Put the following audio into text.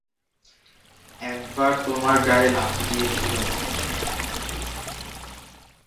একবার তোমার গায়ে লাথি দিয়েছিল মা!